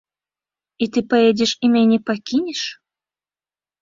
І ты паедзеш і мяне пакінеш?